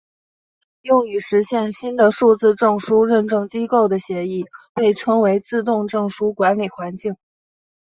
用以实现新的数字证书认证机构的协议被称为自动证书管理环境。